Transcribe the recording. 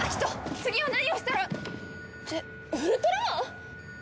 次は何をしたらってウルトラマン！？